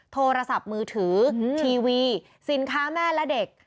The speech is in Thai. โทรศัพท์มือถือทีวีสินค้าแม่และเด็ก